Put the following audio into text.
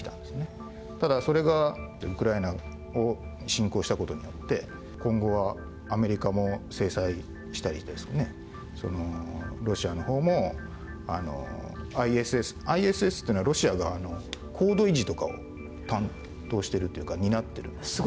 ただそれがウクライナを侵攻した事によって今後はアメリカも制裁したりですねロシアの方もＩＳＳＩＳＳっていうのはロシアが高度維持とかを担当してるというか担ってるんですね。